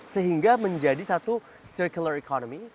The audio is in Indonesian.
sehingga menjadi satu circular economy